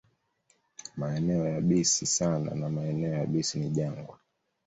Maeneo yabisi sana na maeneo yabisi ni jangwa.